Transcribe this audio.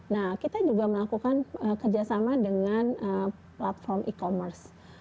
nah kita juga melakukan kerjasama dengan platform e commerce